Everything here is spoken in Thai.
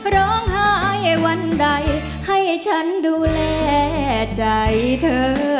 ร้องไห้วันใดให้ฉันดูแลใจเธอ